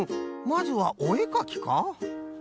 まずはおえかきか？